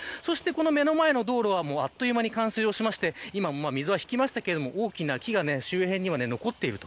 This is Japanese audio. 目の前の道路はあっという間に冠水して今は水は引きましたが大きな木が周辺には残っている。